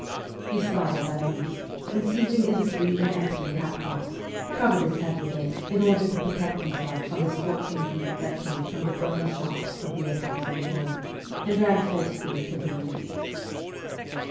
He started at once, and seizing in the street an empty hatbox, covered his head with it, in order to protect himself from the scorching heat that came from the burning shops of the Apraxin Dvor and ran full speed to the lane.